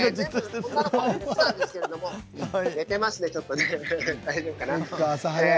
寝てますね、ちょっと。